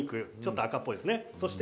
赤っぽいですね。